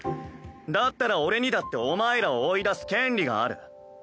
だったら俺にだってお前らを追い出す権利がある。